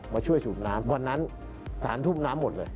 ช่วยสูบน้ำวันนั้น๓ทุ่มน้ำหมดเลย